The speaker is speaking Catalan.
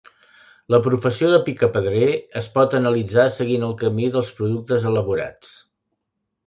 La professió de picapedrer es pot analitzar seguint el camí dels productes elaborats.